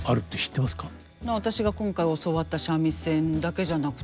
私が今回教わった三味線だけじゃなくて。